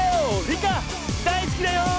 リカ大好きだよ！